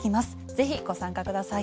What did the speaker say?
ぜひご参加ください。